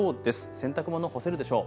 洗濯物、干せるでしょう。